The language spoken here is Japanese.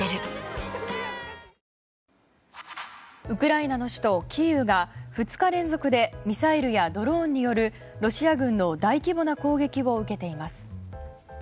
ウクライナの首都キーウが２日連続でミサイルやドローンによるロシア軍の大規模な攻撃を受けています。